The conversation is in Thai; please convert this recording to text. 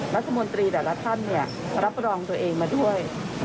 รัฐมนตรีแต่ละท่านรับรองตัวเองมาด้วย